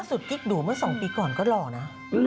ล่าสุดกิ๊กดูเหมือนสองปีก่อนก็หล่อนะ